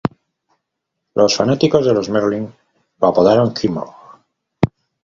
Los fanáticos de los Marlins lo apodaron K-Mart.